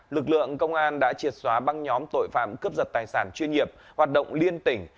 lực lượng công an đã triệt xóa băng nhóm tội phạm cướp giật tài sản chuyên nghiệp hoạt động liên tỉnh